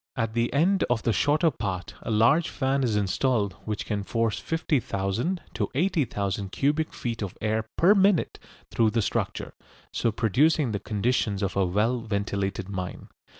At the end of the shorter part a large fan is installed which can force 50,000 to 80,000 cubic feet of air per minute through the structure, so producing the conditions of a well ventilated mine.